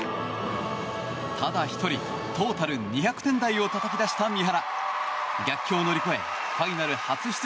ただ１人トータル２００点台をたたき出した三原。